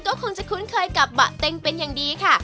ก็คงจะคุ้นเคยกับบะเต็งเป็นอย่างดีค่ะ